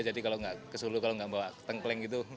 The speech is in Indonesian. jadi kalau nggak ke solo kalau nggak bawa tengkleng gitu